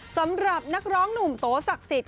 สำหรับนักร้องหนุ่มโตสักศิษย์